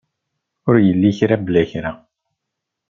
Ur illa kra bla kra.